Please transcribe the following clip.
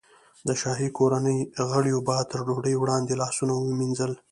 د شاهي کورنۍ غړیو به تر ډوډۍ وړاندې لاسونه وینځل.